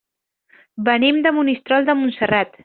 Venim de Monistrol de Montserrat.